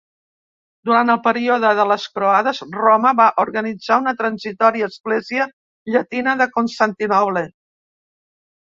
Durant el període de les Croades, Roma va organitzar una transitòria Església llatina de Constantinoble.